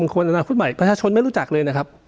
คนอนาคตใหม่ประชาชนไม่รู้จักเลยนะครับ